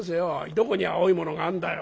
どこに青いものがあるんだよ？